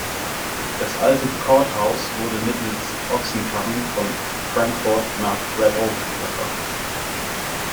Das alte Courthouse wurde mittels Ochsenkarren von Frankfort nach Red Oak verfrachtet.